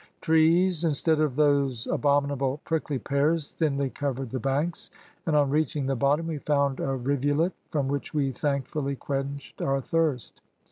Trees, instead of those abominable prickly pears, thinly covered the banks, and on reaching the bottom we found a rivulet, from which we thankfully quenched our thirst.